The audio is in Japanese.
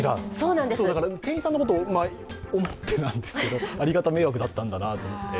店員さんのことを思ってなんですけど、ありがた迷惑だったんだなと思って。